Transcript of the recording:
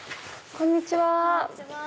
こんにちは。